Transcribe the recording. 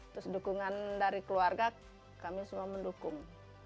terus dukungan dari keluarga kami semua mendukung